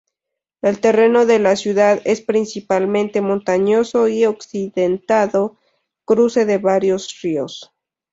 El terreno de la ciudad es principalmente montañoso y accidentado cruce de varios ríos.